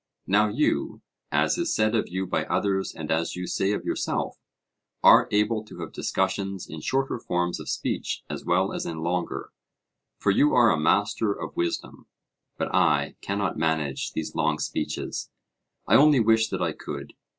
Now you, as is said of you by others and as you say of yourself, are able to have discussions in shorter forms of speech as well as in longer, for you are a master of wisdom; but I cannot manage these long speeches: I only wish that I could.